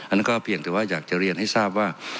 นั่นก็เพียงแต่ว่าอยากจะเรียนให้ทราบว่า